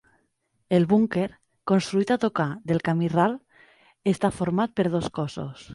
El búnquer, construït a tocar del camí ral, està format per dos cossos.